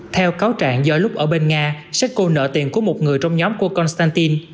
theo cáo trạng do lúc ở bên nga setsko nợ tiền của một người trong nhóm của konstantin